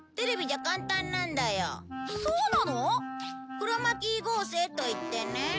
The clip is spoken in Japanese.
クロマキー合成といってね